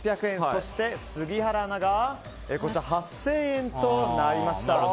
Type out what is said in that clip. そして杉原アナが８０００円となりました。